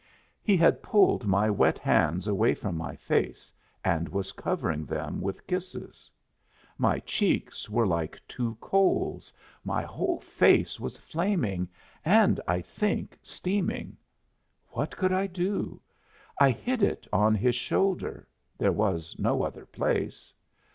He had pulled my wet hands away from my face and was covering them with kisses. My cheeks were like two coals, my whole face was flaming and, I think, steaming. What could I do? I hid it on his shoulder there was no other place.